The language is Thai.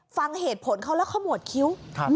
ฟังเหตุผลเขาแล้วขมวดคิ้ว